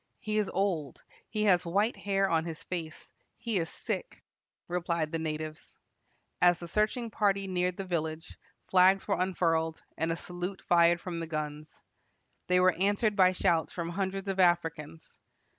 "He is old; he has white hair on his face; he is sick," replied the natives. As the searching party neared the village, flags were unfurled, and a salute fired from the guns. They were answered by shouts from hundreds of Africans.